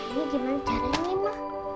ini gimana caranya ma